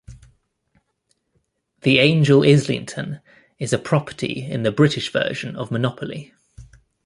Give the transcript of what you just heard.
"The Angel Islington" is a property in the British version of "Monopoly".